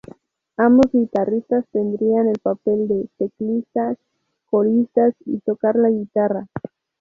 Ambos guitarristas tendrían el papel de teclista, coristas, y tocar la guitarra.